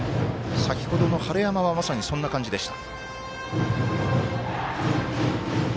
先ほどの晴山はまさにそういう感じでした。